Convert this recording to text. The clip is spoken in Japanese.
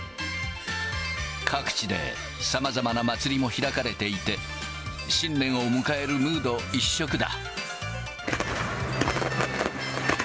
各地でさまざまな祭りも開かれていて、新年を迎えるムード一色だ。